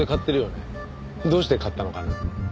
どうして買ったのかな？